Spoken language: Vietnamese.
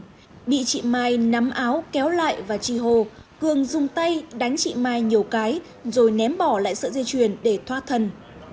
trước đó cường bị chị mai nắm áo kéo lại và chi hô cường dùng tay đánh chị mai nhiều cái rồi ném bỏ lại sợi dây chuẩn để thoát thân